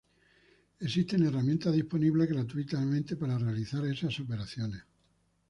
Existen herramientas disponibles gratuitamente para realizar esas operaciones.